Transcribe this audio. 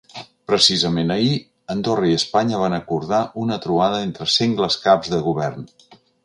Precisament ahir, Andorra i Espanya van acordar una trobada entre sengles caps de govern.